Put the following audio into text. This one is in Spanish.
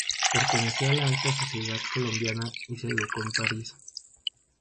Perteneció a la alta sociedad colombiana y se educó en París.